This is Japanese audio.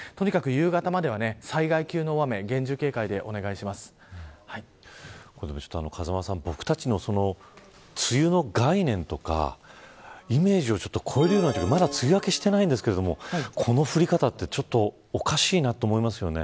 夕方までは災害級の大雨に風間さん、僕たちの梅雨の概念とかイメージを超えるようなまだ梅雨明けしてないんですけどこの降り方ってちょっとおかしいと思いますよね。